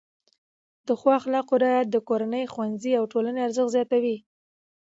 د ښو اخلاقو رعایت د کورنۍ، ښوونځي او ټولنې ارزښت زیاتوي.